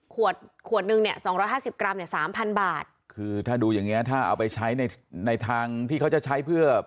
ขวดขวดหนึ่งเนี่ยสองร้อยห้าสิบกรัมเนี่ยสามพันบาทคือถ้าดูอย่างเงี้ถ้าเอาไปใช้ในในทางที่เขาจะใช้เพื่อ